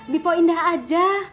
bipo indah aja